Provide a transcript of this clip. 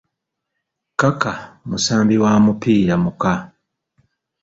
“Kaka” musambi wa mupiira muka!